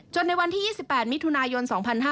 ในวันที่๒๘มิถุนายน๒๕๕๙